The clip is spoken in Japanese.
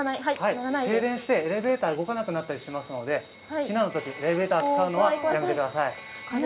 停電してエレベーターが動かなくなったりしますので避難のときにエレベーターに乗るのはやめてください。